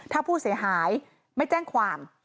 ถ้าผู้เสียหายไม่แจ้งความ